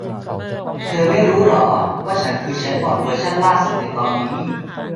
เธอไม่รู้หรอว่าฉันคือแชทบอท เวอร์ชั่นล่าสุดในตอนนี้